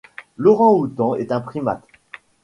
L'orang-outan est un primate